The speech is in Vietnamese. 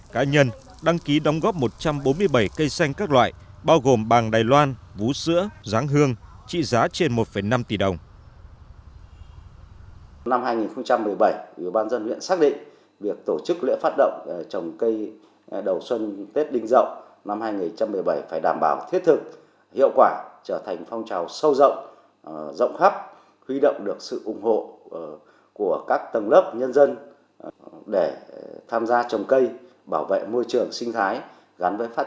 bốn mươi bảy cây xanh các loại bao gồm bàng đài loan vú sữa ráng hương trị giá trên một năm tỷ đồng